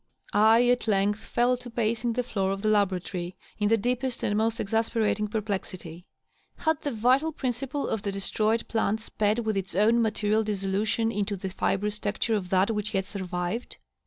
I at length fell to pacing the floor of the laboratory, in the deepest and most exasperating perplexity. Had the vital principle of the de stroyed plant sped with its own material dissolution into the fibrous texture of that which yet survived?